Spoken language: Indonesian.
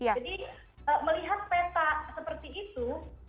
jadi melihat peta seperti itu